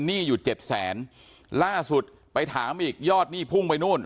หนี้อยู่เจ็ดแสนล่าสุดไปถามอีกยอดหนี้พุ่งไปนู่น